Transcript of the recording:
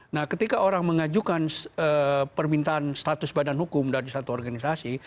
nah ketika orang mengajukan permintaan status badan hukum dari satu organisasi